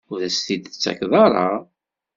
Ur as-t-id-tettakeḍ ara?